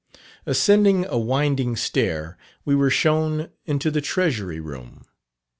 Ascending a winding stair, we were shown into the Treasury Room.